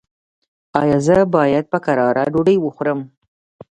ایا زه باید په کراره ډوډۍ وخورم؟